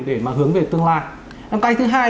để mà hướng về tương lai cái thứ hai